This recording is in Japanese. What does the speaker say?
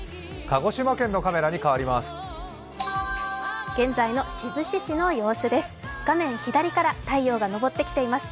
鹿児島県のカメラに変わります。